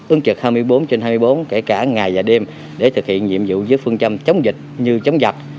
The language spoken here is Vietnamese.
ứng trực hai mươi bốn trên hai mươi bốn kể cả ngày và đêm để thực hiện nhiệm vụ với phương châm chống dịch như chống giặc